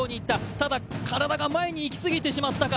ただ、体が前に行きすぎてしまったか。